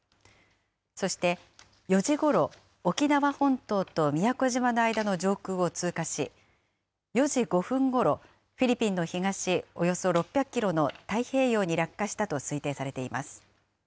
そして、４時ごろ、沖縄本島と宮古島の間の上空を通過し、４時５分ごろ、フィリピンの東およそ６００キロの太平洋に落下したと推定されています。